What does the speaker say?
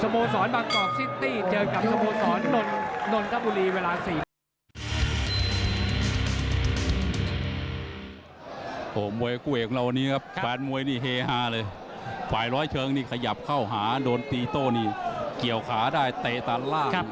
มวยชอบมวยนี่นะต้องไปดูครับ